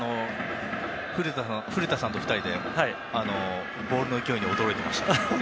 古田さんと２人でボールの勢いに驚いていました。